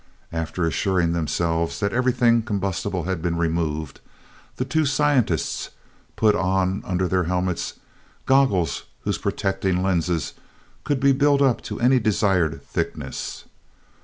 After assuring themselves that everything combustible had been removed, the two scientists put on under their helmets, goggles whose protecting lenses could be built up to any desired thickness.